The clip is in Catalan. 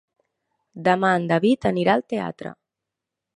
Demà en David anirà al teatre.